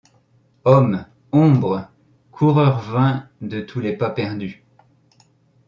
Homme, ombre ! coureur vain de tous les pas perdus !